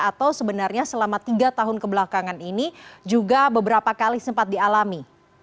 atau sebenarnya selama tiga tahun kebelakangan ini juga beberapa kali sempat dialami